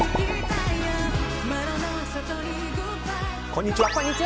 こんにちは。